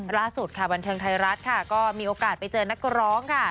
ล่าสุดค่ะบันเทิงไทยรัฐค่ะก็มีโอกาสไปเจอนักร้องค่ะ